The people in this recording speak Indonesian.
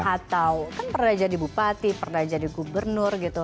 atau kan pernah jadi bupati pernah jadi gubernur gitu